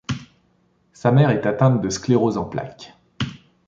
Sa mère est atteinte de sclérose en plaques.